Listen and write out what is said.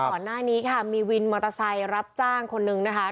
ก่อนหน้านี้ค่ะมีวินมอเตอร์ไซค์รับจ้างคนนึงนะคะ